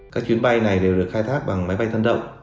các chuyến bay này đều được khai thác bằng máy bay thân động